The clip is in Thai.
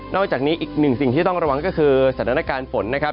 อกจากนี้อีกหนึ่งสิ่งที่ต้องระวังก็คือสถานการณ์ฝนนะครับ